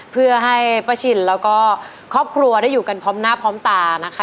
เพื่อให้ป้าชินแล้วก็ครอบครัวได้อยู่กันพร้อมหน้าพร้อมตานะคะ